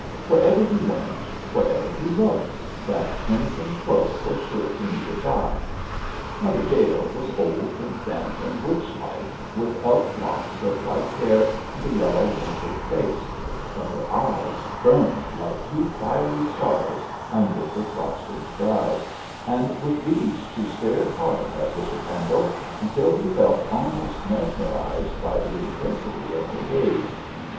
Wherever he went, wherever he looked, that crimson cloak was sure to meet his eye. Mother Jael was old and bent and witch like, with elf locks of white hair and a yellow, wrinkled face; but her eyes burned like two fiery stars under her frosted brows, and with these she stared hard at Bishop Pendle, until he felt almost mesmerised by the intensity of her gaze.